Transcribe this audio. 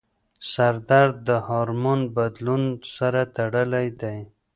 سردرد د هارمون بدلون سره تړلی دی.